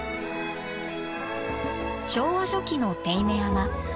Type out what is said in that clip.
昭和初期の手稲山。